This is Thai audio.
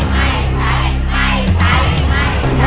ไม่ใช้